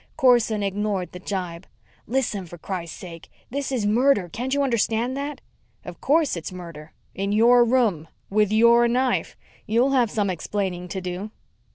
Corson ignored the jibe. "Listen, for Christ sake! This is murder! Can't you understand that?" "Of course, it's murder in your room, with your knife. You'll have some explaining to do."